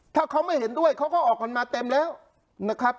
ถ้าเขาไม่เห็นด้วยเขาก็ออกกันมาเต็มแล้วนะครับ